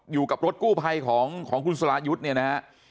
อยู่กับรถกู้ภัยของคุณสรายุทธ์เนี่ยนะฮะ